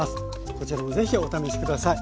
こちらも是非お試し下さい。